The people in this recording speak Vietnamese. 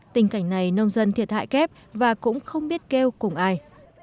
tình cảnh này nông dân thiệt hại kép và cũng không biết kêu cùng ai